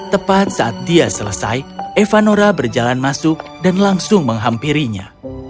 tepat saat dia selesai evanora berjalan masuk dan langsung menghampirinya